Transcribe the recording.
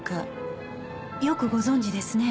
よくご存じですね。